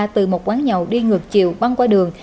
từ một quán nhậu đi ngược chiều băng qua đường